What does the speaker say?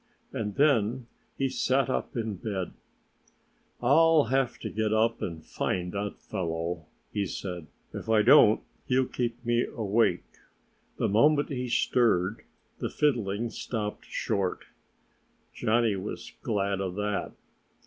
And then he sat up in bed. "I'll have to get up and find that fellow," he said. "If I don't, he'll keep me awake." The moment he stirred, the fiddling stopped short. Johnnie was glad of that.